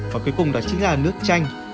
và cuối cùng đó chính là nước chanh